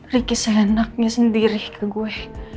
ricky seenaknya sendiri ke gue